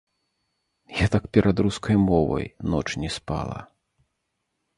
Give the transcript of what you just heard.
Я так перад рускай мовай ноч не спала.